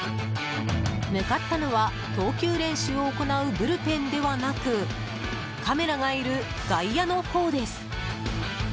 向かったのは投球練習を行うブルペンではなくカメラがいる外野のほうです。